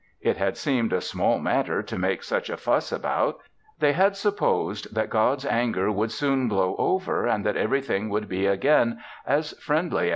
It had seemed a small matter to make such a fuss about. They had supposed that God's anger would soon blow over and that everything would be again as friendly as before.